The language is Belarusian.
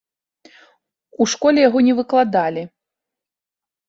У школе яго не выкладалі.